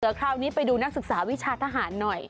เดี๋ยวคราวนี้ไปดูนักศึกษาวิชาทหารหน่อย